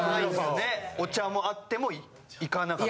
お茶もあってもいかなかった。